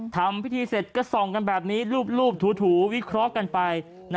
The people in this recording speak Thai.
ทำพิธีเสร็จก็ส่องกันแบบนี้รูปถูวิเคราะห์กันไป